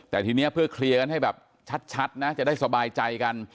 แต่ทีนี้เพื่อเคลียร์กันให้แบบชัดนะจะได้สบายใจกัน